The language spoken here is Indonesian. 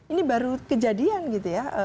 ini baru kejadian gitu ya